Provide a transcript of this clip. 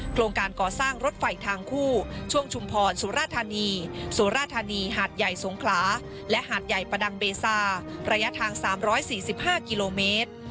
โครงการก่อสร้างรถไฟทางคู่ช่วงชุมพรสุราธานีสุราธานีหาดใหญ่สงขลาและหาดใหญ่ประดังเบซาระยะทาง๓๔๕กิโลเมตร